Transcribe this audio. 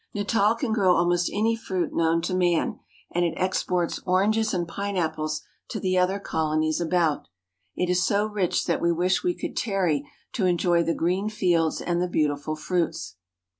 312 AFRICA Natal can grow almost any fruit known to man, and it exports oranges and pineapples to the other colonies about. It is so rich that we wish we could tarry to enjoy the green fields and the beautiful fruits.